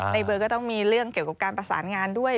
ในเบอร์ก็ต้องมีเรื่องเกี่ยวกับการประสานงานด้วย